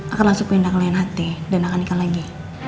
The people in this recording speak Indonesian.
akan langsung pindah ke lain hati dan akan ikat lagi